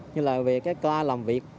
nhưng là về các loại làm việc